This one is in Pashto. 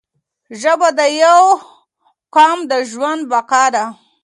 ژبه د یو قوم د ژوند بقا ده